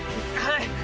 はい。